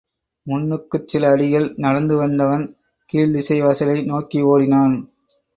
முன்னுக்குச் சில அடிகள் நடந்து வந்தவன், கீழ்த்திசை வாசலை நோக்கி ஓடினான்.